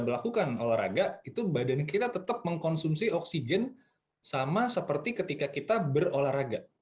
melakukan olahraga itu badan kita tetap mengkonsumsi oksigen sama seperti ketika kita berolahraga